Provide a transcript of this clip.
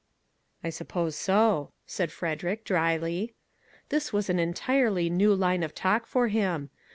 " I suppose so," said Frederick, dryly. This was an entirely new line of talk for him.